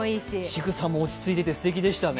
しぐさも落ち着いててすてきですね。